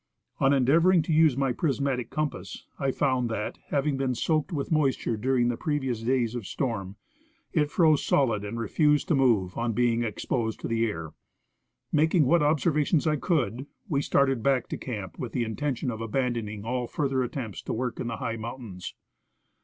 On endeavoring to use my prismatic compass, I found that, having been soaked Avith moisture during the pre vious days of storm, it froze solid and refused to move, on being exposed to the air. Making what observations I could, we started back to camp with the intention of abandoning all further attempts to work in the high mountains.